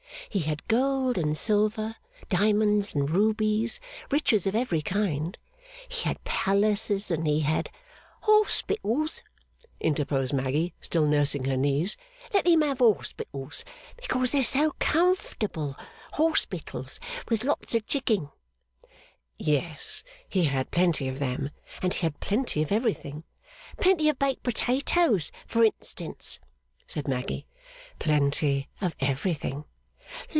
He had gold and silver, diamonds and rubies, riches of every kind. He had palaces, and he had ' 'Hospitals,' interposed Maggy, still nursing her knees. 'Let him have hospitals, because they're so comfortable. Hospitals with lots of Chicking.' 'Yes, he had plenty of them, and he had plenty of everything.' 'Plenty of baked potatoes, for instance?' said Maggy. 'Plenty of everything.